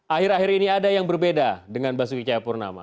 akhir akhir ini ada yang berbeda dengan basuki cahayapurnama